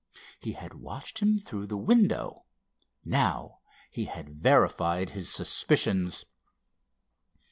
He had watched him through the window. Now he had verified his suspicions.